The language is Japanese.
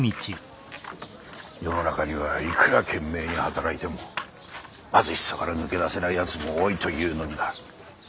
世の中にはいくら懸命に働いても貧しさから抜け出せないやつも多いというのにな。